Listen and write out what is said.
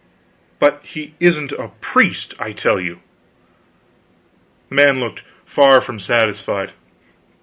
"But he isn't a priest, I tell you." The man looked far from satisfied.